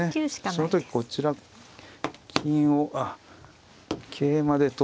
その時こちら金を桂馬で取って成る。